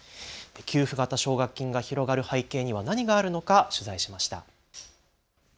給付型奨学金が広がる背景には何があるのか取材しました。